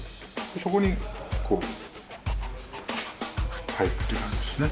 そこに、こう入るという感じですね。